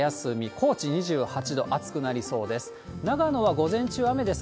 高知２８度、暑くなりそうです。